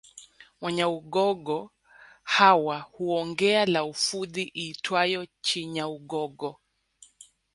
Wanyaugogo hawa huongea lafudhi iitwayo Chinyaugogo